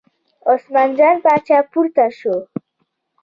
عثمان جان پاچا پورته شو.